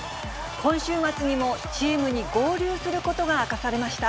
今週末にもチームに合流することが明かされました。